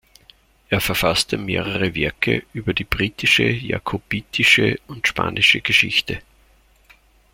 Er verfasste mehrere Werke über die britische, jakobitische und spanische Geschichte.